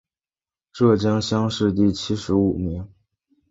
浙江乡试第七十五名。